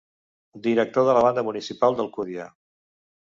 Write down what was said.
Director de la banda municipal d'Alcúdia.